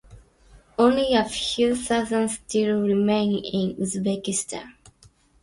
Only a few thousand still remain in Uzbekistan.